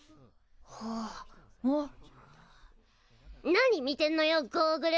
何見てんのよゴーグル。